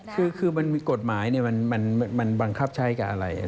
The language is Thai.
คือมันมีกฎหมายมันบังคับใช้กับอะไร